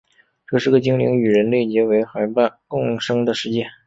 这是个精灵与人类结为夥伴共生的世界。